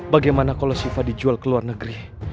bagaimana kalau siva dijual ke luar negeri